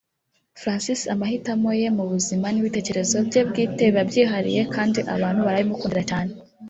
Francis amahitamo ye mu buzima n’ibitekerezo bye bwite biba byihariye kandi abantu barabimukundira cyane